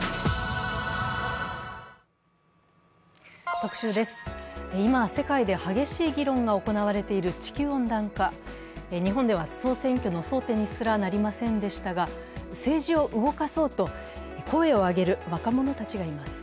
特集です、今、世界で激しい議論が行われている地球温暖化、日本では総選挙の争点にすらなりませんでしたが政治を動かそうと声を上げる若者たちがいます。